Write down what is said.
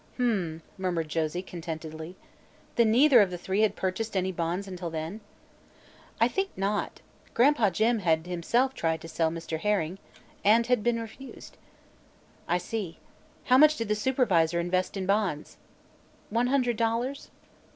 "H m m," murmured Josie contentedly. "Then neither of the three had purchased any bonds until then?" "I think not. Gran'pa Jim had himself tried to sell Mr. Herring and had been refused." "I see. How much did the supervisor invest in bonds?" "One hundred dollars."